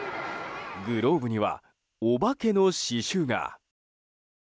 グローブには「お化け」の刺しゅうが。